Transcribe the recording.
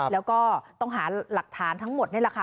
แล้วก็ต้องหาหลักฐานทั้งหมดนี่แหละค่ะ